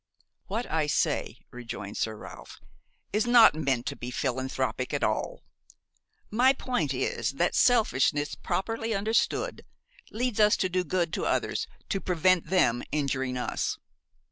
"What I say," rejoined Sir Ralph, "is not meant to be philanthropic at all; my point is that selfishness properly understood leads us to do good to others to prevent them injuring us.